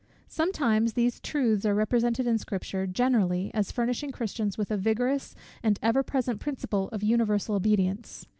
Sometimes these truths are represented in Scripture, generally, as furnishing Christians with a vigorous and ever present principle of universal obedience.